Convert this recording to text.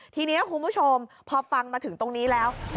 ทีนี้คุณผู้ชมพอฟังมาถึงตรงนี้แล้ว